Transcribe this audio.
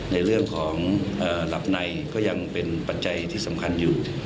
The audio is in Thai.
ในเรื่องของหลับในก็ยังเป็นปัจจัยที่สำคัญอยู่